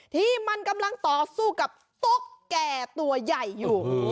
ที่มันกำลังต่อสู้กับตุ๊กแก่ตัวใหญ่อยู่